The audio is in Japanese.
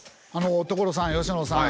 所さん佳乃さん。